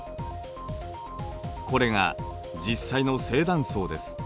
これが実際の正断層です。